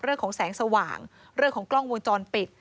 เรื่องของแสงสว่างเรื่องของกล้องวงจรปิด